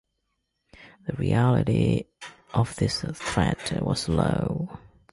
The reality of this threat was low.